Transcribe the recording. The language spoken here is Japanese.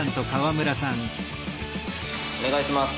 お願いします。